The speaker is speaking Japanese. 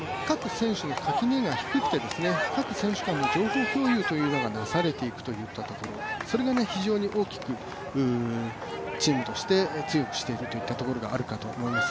垣根が低くて、各選手間の情報共有がなされていくところそれが非常に大きくチームとして強くしているというところがあるかと思います。